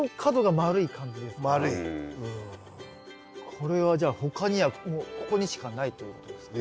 これはじゃあ他にはここにしかないということですか？